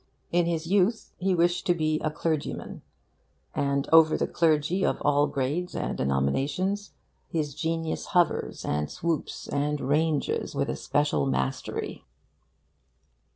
In his youth he wished to be a clergyman; and over the clergy of all grades and denominations his genius hovers and swoops and ranges with a special mastery.